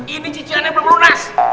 ini cicilannya belum berunas